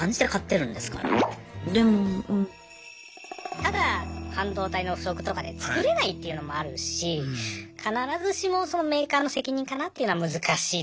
ただ半導体の不足とかで作れないっていうのもあるし必ずしもそのメーカーの責任かなっていうのは難しいですよね。